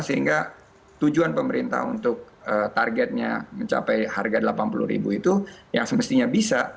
sehingga tujuan pemerintah untuk targetnya mencapai harga rp delapan puluh itu yang semestinya bisa